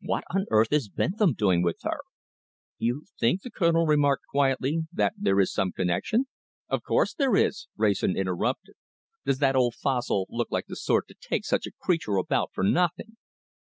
What on earth is Bentham doing with her?" "You think," the Colonel remarked quietly, "that there is some connection " "Of course there is," Wrayson interrupted. "Does that old fossil look like the sort to take such a creature about for nothing?